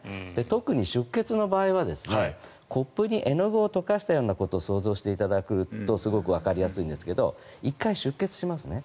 特に出血の場合はコップに絵の具を溶かしたことを想像していただくとすごくわかりやすいんですけど１回出血しますね。